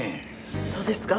そうですか。